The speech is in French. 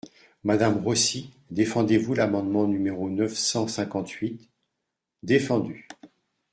Madame Rossi, défendez-vous l’amendement numéro neuf cent cinquante-huit ? Défendu.